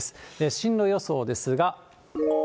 進路予想ですが。